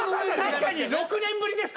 確かに６年ぶりです